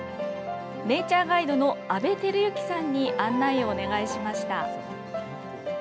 ネイチャーガイドの安倍輝行さんに案内をお願いしました。